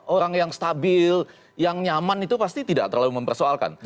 orang yang stabil yang nyaman itu pasti tidak terlalu mempersoalkan